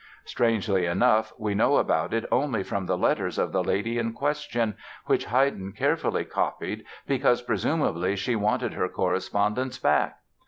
Strangely enough, we know about it only from the letters of the lady in question, which Haydn carefully copied because, presumably, she wanted her correspondence back!